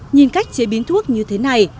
nhìn cách chế biến thuốc như thế này